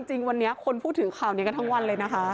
จริงวันนี้คนพูดถึงข่าวนี้กันทั้งวันเลยนะคะ